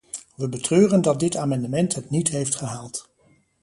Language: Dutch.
We betreuren het dat dit amendement het niet heeft gehaald.